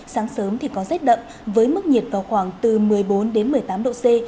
sáng sớm thì có rét đậm với mức nhiệt vào khoảng từ một mươi bốn đến một mươi tám độ c